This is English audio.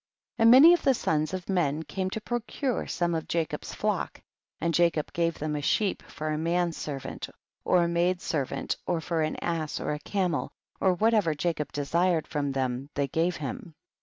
33. And many of the sons of men came to procure some of Jacob's flock, and Jacob gave them a sheep for a man servant or a maid servant or for an ass or a camel, or whatever Jacob desired from them they gave him.